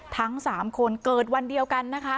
ทั้ง๓คนเกิดวันเดียวกันนะคะ